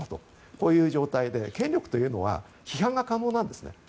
こういう状態で、権力というのは批判が可能なんですね。